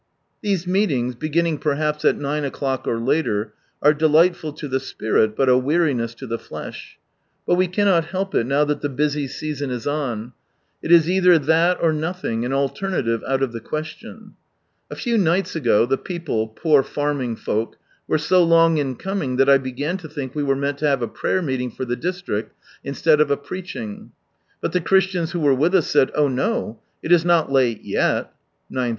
Thesemeci ings, begin ning per haps at 9 o'clock or later, are delightful to the spirit, but a weariness to the flesh. But we cannot help it, now that the busy season is on, it is either that or no "'^^^Jl ""^\ thing, an alternative out of the question. A few nights ago the people (poor farming folk) were so long in coming that I began to think we were meant to have a prayer meeting for the district, instead of a preaching. But the Christians who were with us said " Oh no I It is not late yet " (9.30 p.m.)